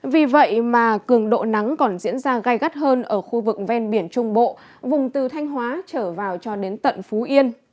vì vậy mà cường độ nắng còn diễn ra gai gắt hơn ở khu vực ven biển trung bộ vùng từ thanh hóa trở vào cho đến tận phú yên